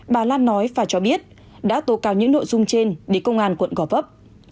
bà lan nói và cho biết đã tố cáo những nội dung trên để công an quận góp ấp